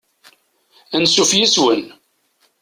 Ansuf yis-wen!